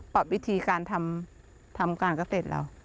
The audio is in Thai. ปรับวิธีการทำทั้งการเกษตรเรา